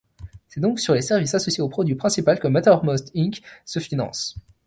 C'est donc sur les services associés au produit principal que Mattermost Inc. se finance.